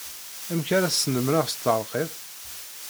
Amek ara t-snemmreɣ s tṭerkit?